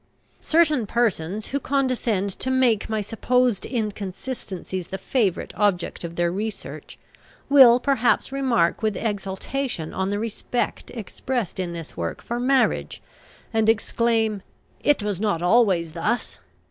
Certain persons, who condescend to make my supposed inconsistencies the favourite object of their research, will perhaps remark with exultation on the respect expressed in this work for marriage, and exclaim, "It was not always thus!"